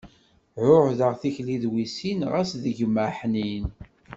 Ɛuhdeɣ tikli d wissin, xas d gma aḥnin.